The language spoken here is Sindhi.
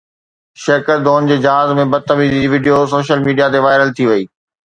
شيڪر ڌون جي جهاز ۾ بدتميزي جي وڊيو سوشل ميڊيا تي وائرل ٿي وئي